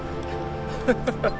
ハハハハッ。